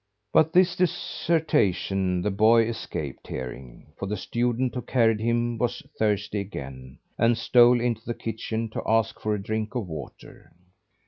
But this dissertation the boy escaped hearing; for the student who carried him was thirsty again, and stole into the kitchen to ask for a drink of water.